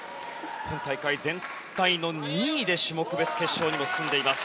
今大会全体の２位で種目別決勝にも進んでいます。